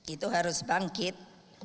itu harus bangkit